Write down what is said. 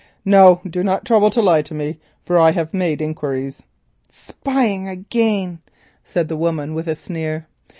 No, do not trouble to lie to me, for I have made enquiries." "Spying again," said the woman with a sneer.